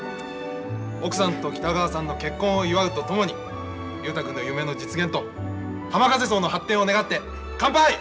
奥さんと北川さんの結婚を祝うとともに雄太君の夢の実現と浜風荘の発展を願って乾杯！